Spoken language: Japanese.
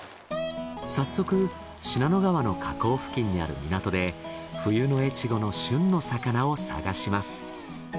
早速信濃川の河口付近にある港で冬の越後の旬の魚を探します。